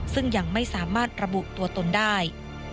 ซึ่งยังไม่สามารถระบุตัวตนได้